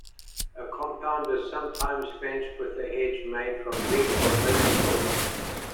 A compound is sometimes fenced with a hedge made from reeds or millet-stalk.